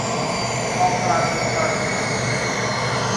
รองบราซิลประเทศเดียว